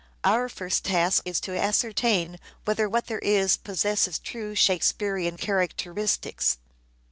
Our task is to ascertain whether what there is possesses true Shakespearean characteristics.